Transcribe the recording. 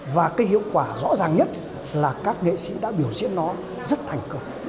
và cái hiệu quả rõ ràng nhất là các nghệ sĩ đã biểu diễn nó rất thành công